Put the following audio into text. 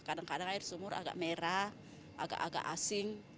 kadang kadang air sumur agak merah agak agak asing